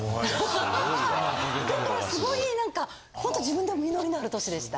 だから凄いなんかホント自分でも実りのある年でした。